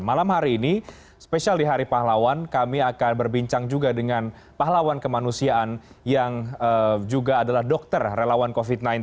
malam hari ini spesial di hari pahlawan kami akan berbincang juga dengan pahlawan kemanusiaan yang juga adalah dokter relawan covid sembilan belas